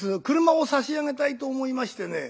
俥を差し上げたいと思いましてね」。